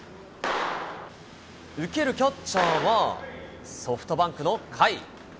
受けるキャッチャーは、ソフトバンクの甲斐。